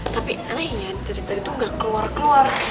tapi anehnya tadi tadi tuh gak keluar keluar